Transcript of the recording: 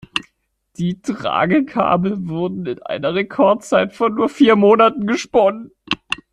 Die Tragkabel wurden in einer Rekordzeit von nur vier Monaten gesponnen.